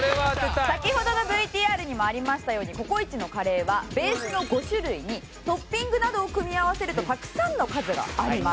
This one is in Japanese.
先ほどのＶＴＲにもありましたようにココイチのカレーはベースの５種類にトッピングなどを組み合わせるとたくさんの数があります。